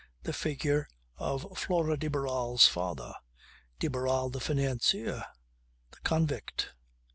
. The figure of Flora de Barral's father. De Barral the financier the convict.